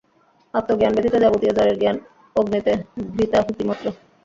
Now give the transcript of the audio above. আত্মজ্ঞান ব্যতীত যাবতীয় জড়ের জ্ঞান অগ্নিতে ঘৃতাহুতি মাত্র।